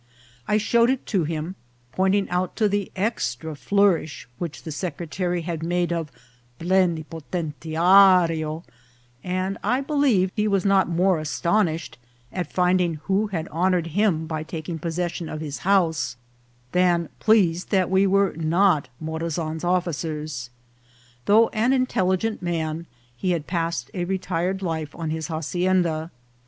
I showed it to him, pointing to the extra flourish which the secretary had made of plenipotentiario, and I believe he was not more astonished at finding who had honoured him by taking possession of his house, than pleased that we were not Morazan's officers. Though an intelligent man, he had passed a retired life on his hacienda.